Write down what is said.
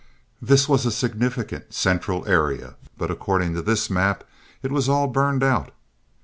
This was a significant central area; but, according to this map, it was all burned out.